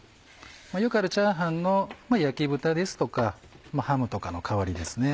よくあるチャーハンの焼き豚ですとかハムとかの代わりですね。